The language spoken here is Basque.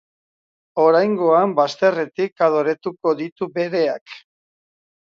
Oraingoan, bazterretik adoretuko ditu bereak.